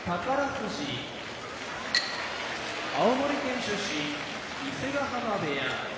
富士青森県出身伊勢ヶ濱部屋